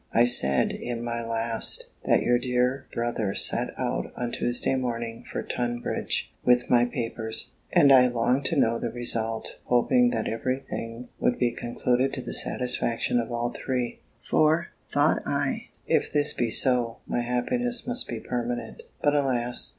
I said, in my last, that your dear brother set out on Tuesday morning for Tunbridge with my papers; and I longed to know the result, hoping that every thing would be concluded to the satisfaction of all three: "For," thought I, "if this be so, my happiness must be permanent:" but alas!